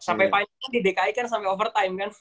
sampai final di dki kan sampai overtime kan